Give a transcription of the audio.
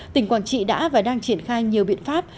tỉnh quảng trị đã và đang triển khai nhiều biện pháp